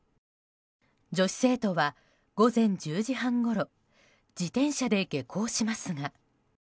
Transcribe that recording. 女子生徒は午前１０時半ごろ自転車で下校しますが。